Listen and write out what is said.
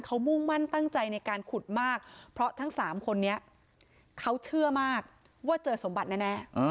เขามุ่งมั่นตั้งใจในการขุดมากเพราะทั้งสามคนนี้เขาเชื่อมากว่าเจอสมบัติแน่